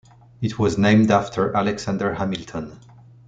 It was named after Alexander Hamilton.